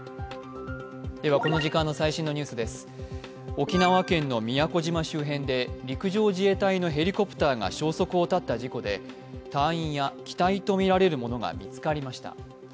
沖縄県の宮古島周辺で陸上自衛隊のヘリコプターが消息を絶った事故で隊員や機体とみられるものが見つかりました。